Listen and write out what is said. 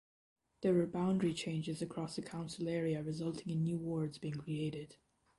There were boundary changes across the council area resulting in new wards being created.